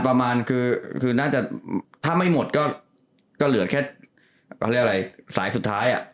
ประมาณคือน่าจะถ้าไม่หมดก็เหลือแค่สายสุดท้าย